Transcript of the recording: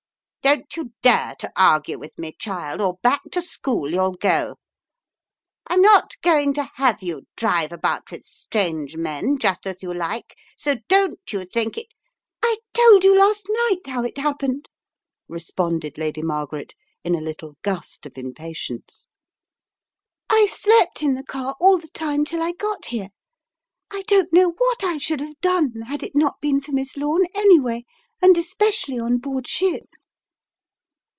Don't you dare to argue with me, child, or back to school you'll go. I'm not going to have you drive about with strange men just as you like, so don't you think it " "I told you last night how it happened," responded Lady Margaret in a little gust of impatience. "I 68 The Riddle of the Purple Emperor slept in the car all the time till I got here. I don't know what I should have done had it not been for Miss Lome, anyway, and especially on board ship."